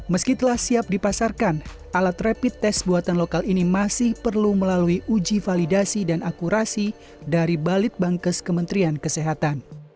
meski telah siap dipasarkan alat rapid test buatan lokal ini masih perlu melalui uji validasi dan akurasi dari balit bangkes kementerian kesehatan